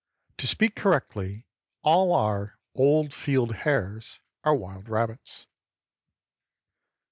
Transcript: To speak correctly, all our "old field hares" are wild rabbits.